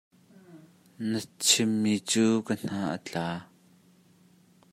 Na chimmi cu ka hna a tla.